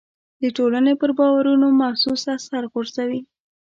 د ټولنې پر باورونو محسوس اثر غورځوي.